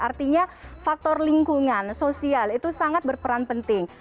artinya faktor lingkungan sosial itu sangat berperan penting